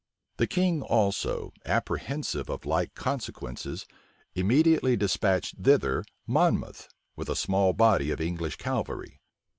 The king also, apprehensive of like consequences, immediately despatched thither Monmouth with a small body of English cavalry.